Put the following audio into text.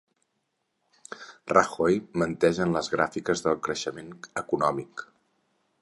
Rajoy menteix en les gràfiques del creixement econòmic